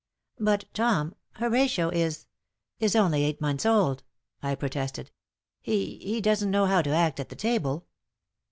"But, Tom, Horatio is is only eight months old," I protested. "He he doesn't know how to act at the table."